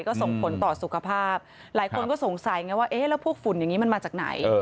ก็ส่งผลต่อสุขภาพหลายคนก็สงสัยไงว่าเอ๊ะแล้วพวกฝุ่นอย่างนี้มันมาจากไหน